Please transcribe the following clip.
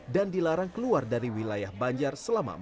dan dilarang keluar dari wilayah banjar selama empat belas hari